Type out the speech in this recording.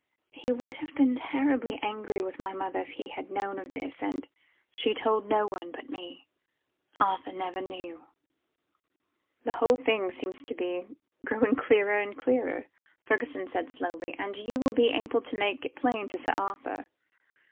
He would have been terribly angry with my mother if he had known of this, and she told no one but me. Arthur never knew." "The whole thing seems to be growing clearer and clearer," Fergusson said slowly, "and you will be able to make it plain to Sir Arthur."